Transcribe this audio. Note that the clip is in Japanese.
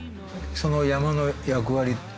その山の役割